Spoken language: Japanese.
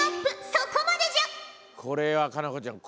そこまでじゃ！